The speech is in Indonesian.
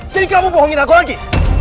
jadi kamu bohongin aku lagi